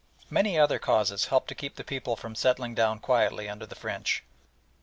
Many other causes helped to keep the people from settling down quietly under the French.